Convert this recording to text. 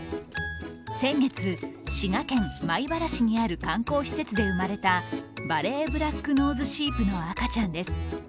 先月、滋賀県米原市にある観光施設で生まれたヴァレーブラックノーズシープの赤ちゃんです。